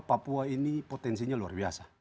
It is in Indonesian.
papua ini potensinya luar biasa